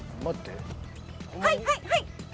はいはいはい！